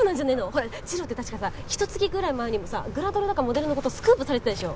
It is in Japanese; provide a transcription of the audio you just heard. ほら治郎って確かさひと月ぐらい前にもさグラドルだかモデルの子とスクープされてたでしょ。